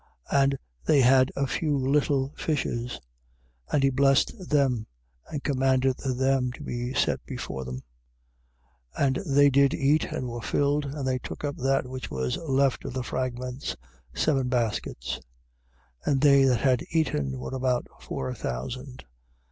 8:7. And they had a few little fishes: and he blessed them and commanded them to be set before them. 8:8. And they did eat and were filled: and they took up that which was left of the fragments, seven baskets. 8:9. And they that had eaten were about four thousand.